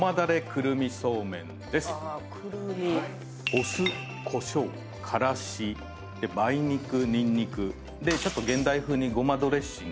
お酢こしょうからし梅肉にんにく。でちょっと現代風にごまドレッシング。